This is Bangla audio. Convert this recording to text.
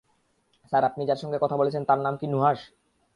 স্যার, আপনি যার সঙ্গে কথা বলেছেন তার নাম কি নুহাশ?